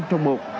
năm trong một